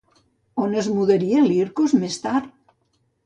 On es mudaria Lircos més tard?